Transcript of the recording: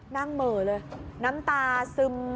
เหมือเลยน้ำตาซึม